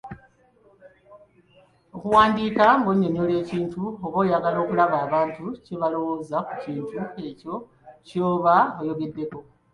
Okuwandiika ng’onnyonnyola ekintu oba oyagala okulaba abantu kye balawooza ku kintu ekyo ky’oba oyogeddeko.